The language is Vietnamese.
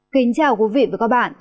kính chào quý vị và các bạn